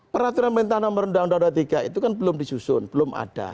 peraturan mentah nomor undang undang dua puluh tiga itu kan belum disusun belum ada